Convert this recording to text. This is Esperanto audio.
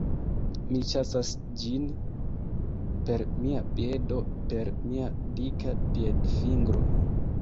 Mi ĉasas ĝin per mia piedo per mia dika piedfingro...